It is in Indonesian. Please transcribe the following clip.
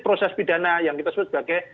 proses pidana yang kita sebut sebagai